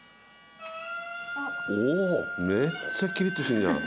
おおめっちゃキリッとしてるじゃん。